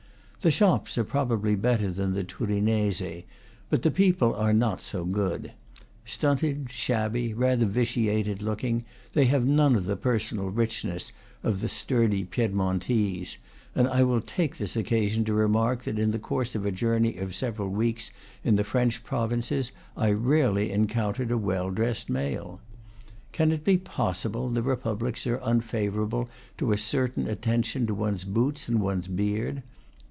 The shops are probably better than the Turinese, but the people are not so good. Stunted, shabby, rather vitiated looking, they have none of the personal richness of the sturdy Piedmontese; and I will take this occasion to remark that in the course of a journey of several weeks in the French provinces I rarely encountered a well dressed male. Can it be possible the republics are unfavorable to a certain attention to one's boots and one's beard?